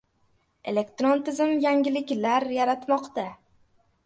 Elektron tizim yengilliklar yaratmoqda